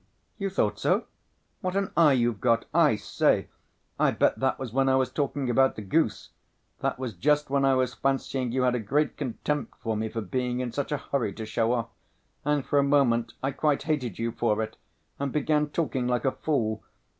"You thought so? What an eye you've got, I say! I bet that was when I was talking about the goose. That was just when I was fancying you had a great contempt for me for being in such a hurry to show off, and for a moment I quite hated you for it, and began talking like a fool.